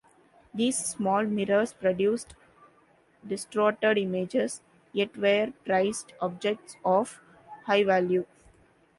These small mirrors produced distorted images, yet were prized objects of high value.